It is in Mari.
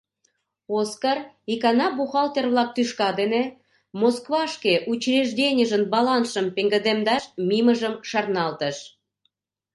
Оскар икана бухгалтер-влак тӱшка дене Москвашке учрежденийын балансшым пеҥгыдемдаш мийымыжым шарналтыш.